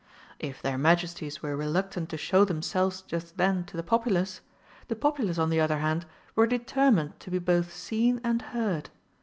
If their Majesties were reluctant to show themselves just then to the populace, the populace on the other hand were determined to be both seen and heard.